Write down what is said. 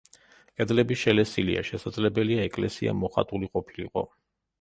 კედლები შელესილია, შესაძლებელია ეკლესია მოხატული ყოფილიყო.